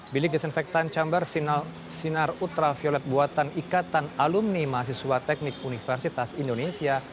bilik desinfektan chamber sinar ultraviolet buatan ikatan alumni mahasiswa teknik universitas indonesia